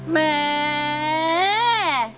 แหม